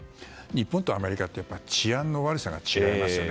日本とアメリカって治安の悪さが違いますよね。